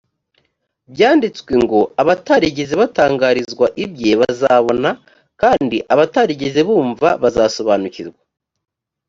byanditswe ngo abatarigeze batangarizwa ibye bazabona kandi abatarigeze bumva bazasobanukirwa